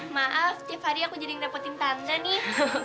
maaf tiap hari aku jadi yang dapetin tanda nih